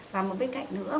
và một bên cạnh nữa